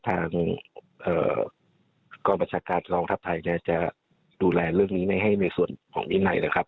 ทางกองประชาการกองทัพไทยเนี่ยจะดูแลเรื่องนี้ให้ในส่วนของวินัยนะครับ